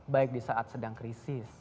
baik di saat sedang krisis